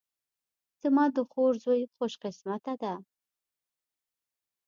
زما د خور زوی خوش قسمته ده